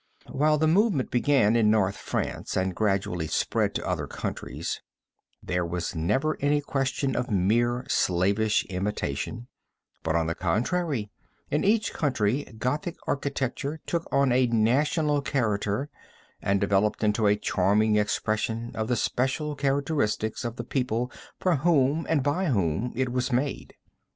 While the movement began in North France, and gradually spread to other countries, there was never any question of mere slavish imitation, but on the contrary in each country Gothic architecture took on a national character and developed into a charming expression of the special characteristics of the people for whom and by whom it was made.